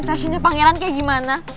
stasiunnya pangeran kayak gimana